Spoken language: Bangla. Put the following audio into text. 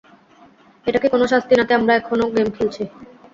এটা কি কোন শাস্তি নাকি আমরা এখনও গেম খেলছি?